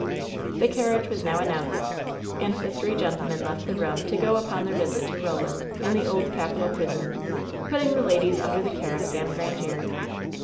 The carriage was now announced, and the three gen tlemen left the room to go upon their visit to Roland, in the Old Capitol prison, putting the ladies under the care of Sam Grandiere.